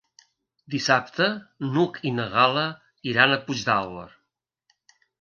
Dissabte n'Hug i na Gal·la iran a Puigdàlber.